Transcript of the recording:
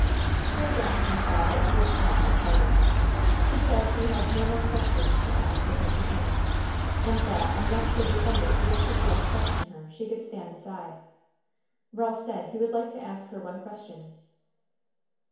Here Bronson saw that he had caught a tartar. He said he had no more questions to ask of Mrs. Means, and that, unless the defendant wished to cross question her, she could stand aside. Ralph said he would like to ask her one question.